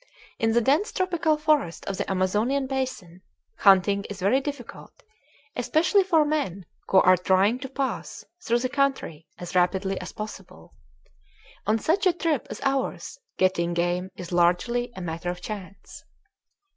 In the dense tropical forest of the Amazonian basin hunting is very difficult, especially for men who are trying to pass through the country as rapidly as possible. On such a trip as ours getting game is largely a matter of chance.